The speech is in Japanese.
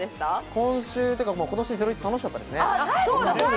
今週というか、今年『ゼロイチ』楽しかったですね。